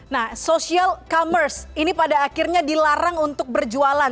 nah social commerce ini pada akhirnya dilarang untuk berjualan